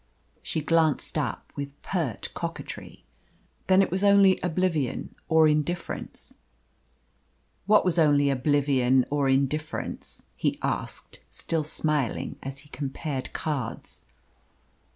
She glanced up with pert coquetry. "Then it was only oblivion or indifference." "What was only oblivion or indifference?" he asked, still smiling as he compared cards.